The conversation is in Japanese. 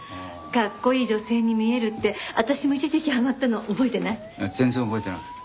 かっこいい女性に見えるって私も一時期はまったの覚えてない？